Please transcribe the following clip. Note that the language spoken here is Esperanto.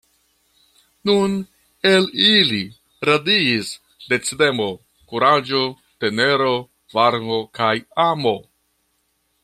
Nun el ili radiis decidemo, kuraĝo, tenero, varmo kaj amo.